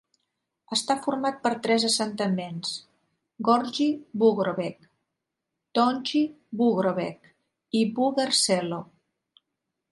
Està format per tres assentaments: Gornji Vugrovec, Donji Vugrovec i Vuger Selo.